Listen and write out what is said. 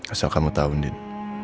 asal kamu tahu din